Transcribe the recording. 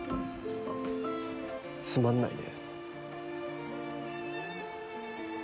つまんないね。